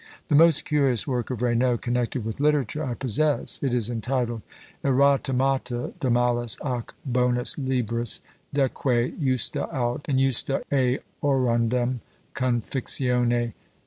The most curious work of Raynaud connected with literature, I possess; it is entitled _Erotemata de malis ac bonis Libris, deque justa aut injusta eorundem confixione.